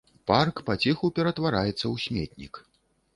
Парк паціху ператвараецца ў сметнік.